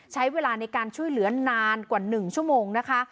ใช้เวลาในการช่วยเหลือนานกว่า๑ชั่วโมงนะคะ